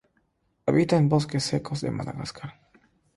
Habita en bosques secos de Madagascar.